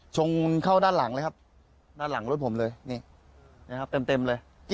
ชงเข้าด้านหลังนะครับด้านหลังลดผมเลยนี้ผมเป็นเต็มเลย